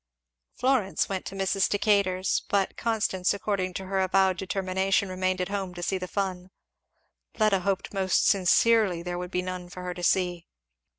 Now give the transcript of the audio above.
Florence went to Mrs. Decatur's; but Constance according to her avowed determination remained at home to see the fun. Fleda hoped most sincerely there would be none for her to see.